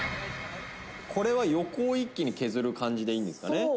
「これは横を一気に削る感じでいいんですかね？」